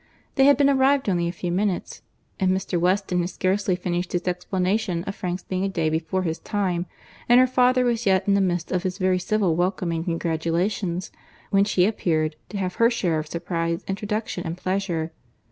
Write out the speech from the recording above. They had been arrived only a few minutes, and Mr. Weston had scarcely finished his explanation of Frank's being a day before his time, and her father was yet in the midst of his very civil welcome and congratulations, when she appeared, to have her share of surprize, introduction, and pleasure.